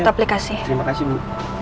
terima kasih bu